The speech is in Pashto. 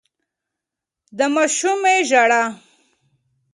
د ماشومې ژړا